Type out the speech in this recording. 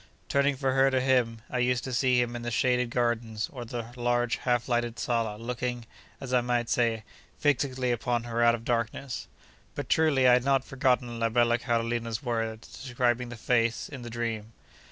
Turning from her to him, I used to see him in the shaded gardens, or the large half lighted sala, looking, as I might say, 'fixedly upon her out of darkness.' But, truly, I had not forgotten la bella Carolina's words describing the face in the dream.